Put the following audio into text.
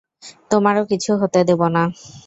তোমারও কিছু হতে দেবো না।